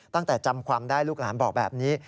ตั้งแต่จำความได้ลูกหลานบอกแบบนี้